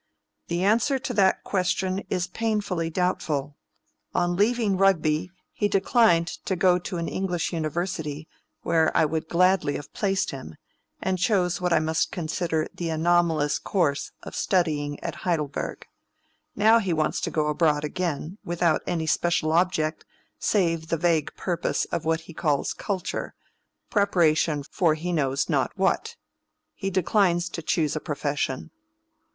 "The answer to that question is painfully doubtful. On leaving Rugby he declined to go to an English university, where I would gladly have placed him, and chose what I must consider the anomalous course of studying at Heidelberg. And now he wants to go abroad again, without any special object, save the vague purpose of what he calls culture, preparation for he knows not what. He declines to choose a profession."